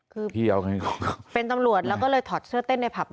คือเป็นตำรวจทอดเชื้อเต้นในผับได้